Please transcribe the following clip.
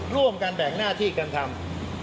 รวมการแบ่งหน้าที่การทำ